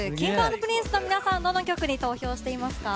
Ｋｉｎｇ＆Ｐｒｉｎｃｅの皆さんどの曲に投票していますか？